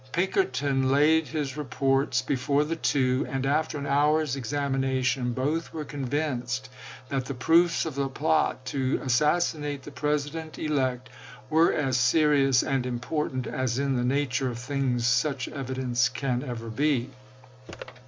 Pinkerton laid his reports before the two, and, after an hour's examination, both were convinced that the proofs of a plot to assassinate the President elect were as serious and important as in the nature of things such evidence can ever be.